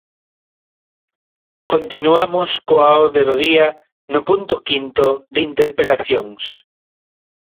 Continuamos coa orde do día no punto quinto, de interpelacións.